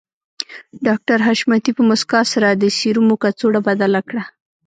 ډاکټر حشمتي په مسکا سره د سيرومو کڅوړه بدله کړه